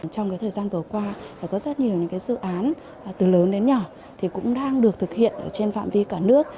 trong thời gian vừa qua có rất nhiều những dự án từ lớn đến nhỏ cũng đang được thực hiện trên phạm vi cả nước